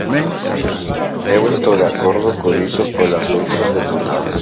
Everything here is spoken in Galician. Eu estou de acordo co dito polas outras deputadas.